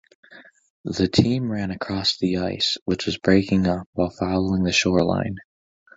The team ran across the ice, which was breaking up, while following the shoreline.